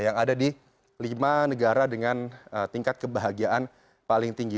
yang ada di lima negara dengan tingkat kebahagiaan paling tinggi